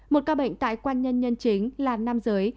một ca bệnh tại quan nhân nhân chính là nam giới